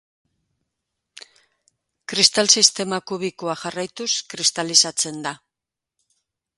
Kristal-sistema kubikoa jarraituz kristalizatzen da.